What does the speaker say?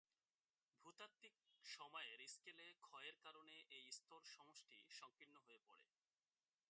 ভূতাত্ত্বিক সময়ের স্কেলে ক্ষয়ের কারণে এই স্তরসমষ্টি সংকীর্ণ হয়ে পড়ে।